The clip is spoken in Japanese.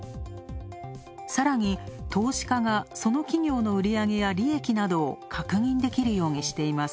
さらに、投資家が、その企業の売り上げや利益などを確認できるようにしています。